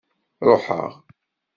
Ṛuḥeɣ.